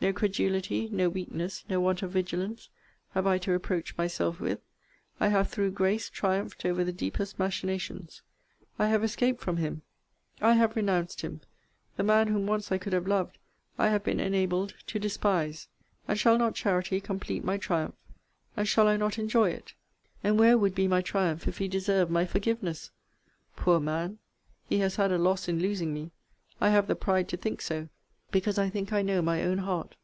No credulity, no weakness, no want of vigilance, have I to reproach myself with. I have, through grace, triumphed over the deepest machinations. I have escaped from him. I have renounced him. The man whom once I could have loved, I have been enabled to despise: And shall not charity complete my triumph? and shall I not enjoy it? And where would be my triumph if he deserved my forgiveness? Poor man! he has had a loss in losing me! I have the pride to think so, because I think I know my own heart.